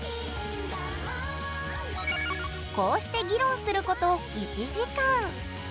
こうして議論すること１時間。